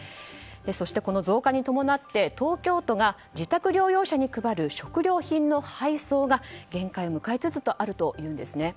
そして、この増加に伴って東京都が自宅療養者に配る食料品の配送が限界を迎えつつあるというんです。